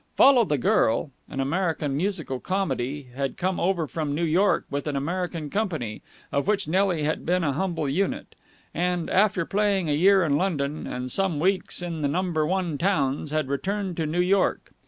"Follow the Girl," an American musical comedy, had come over from New York with an American company, of which Nelly had been a humble unit, and, after playing a year in London and some weeks in the number one towns, had returned to New York.